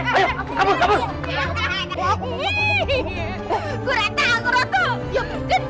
hai aku roto kejar bergabung cara semestanya